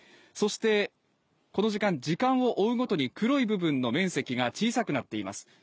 そしてこの時間、時間を追うごとに黒い部分の面積が小さくなっています。